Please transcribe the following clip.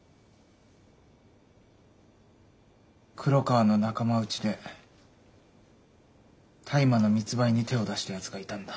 黒川の仲間内で大麻の密売に手を出したやつがいたんだ。